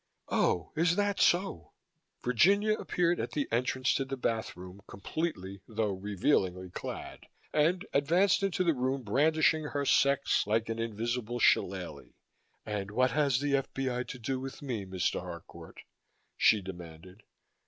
"Oh, is that so?" Virginia appeared at the entrance to the bathroom, completely though revealingly clad, and advanced into the room brandishing her sex like an invisible shillelagh. "And what has the F.B.I. to do with me, Mr. Harcourt?" she demanded.